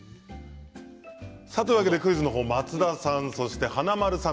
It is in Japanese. クイズの方松田さん、そして華丸さん